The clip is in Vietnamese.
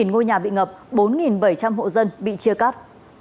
một mươi ngôi nhà bị ngập bốn bảy trăm linh hộ dân bị chia cắt